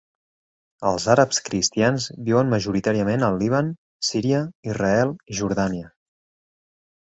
Els àrabs cristians viuen majoritàriament al Líban, Síria, Israel i Jordània.